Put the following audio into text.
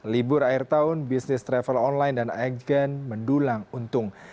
libur akhir tahun bisnis travel online dan agen mendulang untung